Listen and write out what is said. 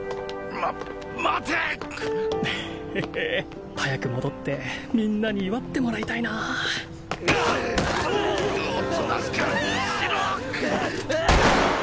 ま待てエヘヘ早く戻ってみんなに祝ってもらいたいなおとなしくしろ！